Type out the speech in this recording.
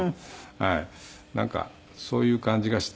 なんかそういう感じがして。